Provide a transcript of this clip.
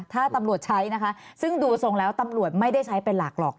ถ้าตำรวจใช้นะคะซึ่งดูทรงแล้วตำรวจไม่ได้ใช้เป็นหลักหรอก